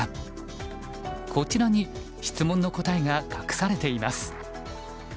こちらに質問の答えが隠されています。